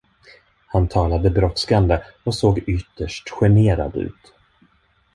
Han talade brådskande och såg ytterst generad ut.